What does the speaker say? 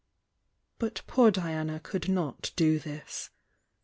But poor Diana could not do this.